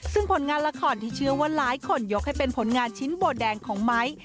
ซึ่งผลงานละครที่เชื่อว่าหลายคนยกให้เป็นผลงานชิ้นโบแดงของไม้